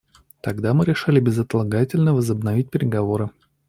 Тогда мы решили безотлагательно возобновить переговоры.